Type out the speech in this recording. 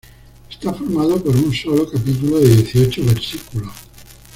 Está formado por un solo capítulo de dieciocho versículos.